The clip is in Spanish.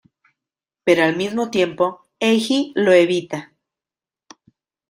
Pero al mismo tiempo Eiji lo evita.